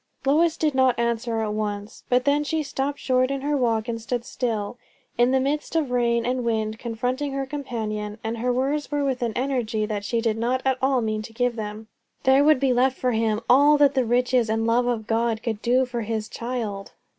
Lois did not answer at once; but then she stopped short in her walk and stood still, in the midst of rain and wind, confronting her companion. And her words were with an energy that she did not at all mean to give them. "There would be left for him all that the riches and love of God could do for his child."